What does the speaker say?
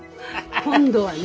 今度はね